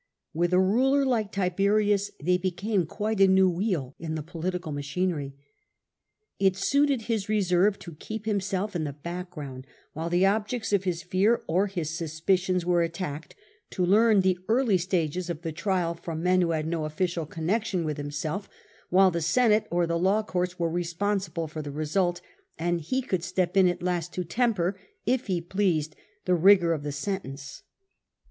With a ruler like Tiberius they became quite a new wheel in the political machinery. It suited his reserve to keep himself in the background while the objects of his fear or his suspicions were attacked, to learn the early stages of the trial from men who had no official connexion with himself, while the Senate or the law courts were responsible for the result, and he could step in at last to temper, if he pleased, the rigour of the sentence.